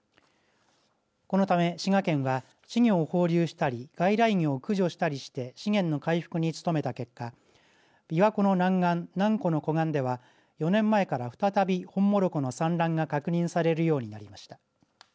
このため滋賀県は稚魚を放流したり外来魚を駆除したりして資源の回復に努めた結果琵琶湖の南岸南湖の湖岸では４年前から再びホンモロコの産卵が確認されるようになりました。